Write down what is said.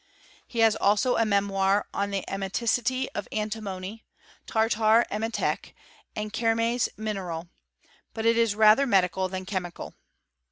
He has also & memoir on the emeticity of antimony, tartar emetic, and kevmes mineral ; but it is rather medical thaa chemical.